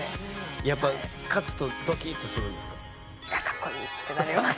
やっぱ勝つとドキッとするんですか？